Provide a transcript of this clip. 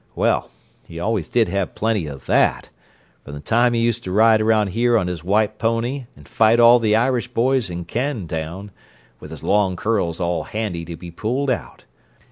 Well, he always did have plenty of that—from the time he used to ride around here on his white pony and fight all the Irish boys in Can Town, with his long curls all handy to be pulled out.